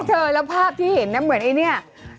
เธอนะและภาพที่เห็นน่ะเหมือนไอ้นี่